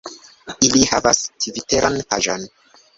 Ili havas tviteran paĝon